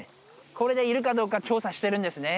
これでいるかどうか調査してるんですね？